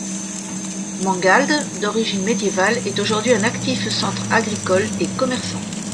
Mangualde, d'origine médiévale, est aujourd'hui un actif centre agricole et commerçant.